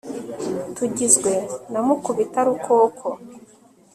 tugizwe na mukubita rukoko